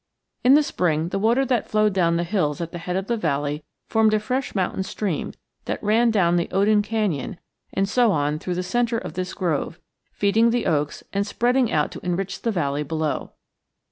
In the spring the water that flowed down the hills at the head of the valley formed a fresh mountain stream that ran down the Oden canyon and so on through the centre of this grove, feeding the oaks and spreading out to enrich the valley below.